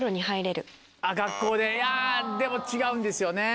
学校でいやでも違うんですよね。